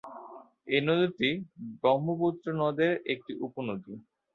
এই নদীটি ব্রহ্মপুত্র নদের একটি উপনদী।